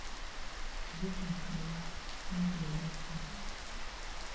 Broke am for we make we hear fine.